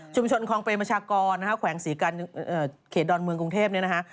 ชนคลองเปรมประชากรนะฮะแขวงศรีกันเขตดอนเมืองกรุงเทพเนี่ยนะฮะ